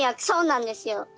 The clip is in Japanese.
そうなんですよ。